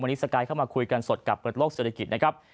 วันนี้สกายเข้ามาคุยกันสดกับเปิดโลกเศรษฐกิจนะครับ